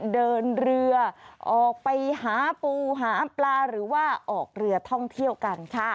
เดินเรือออกไปหาปูหาปลาหรือว่าออกเรือท่องเที่ยวกันค่ะ